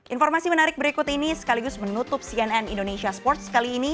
informasi menarik berikut ini sekaligus menutup cnn indonesia sports kali ini